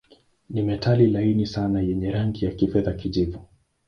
Ni metali laini sana yenye rangi ya kifedha-kijivu.